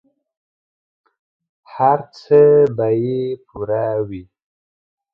هر څه به یې پوره وي.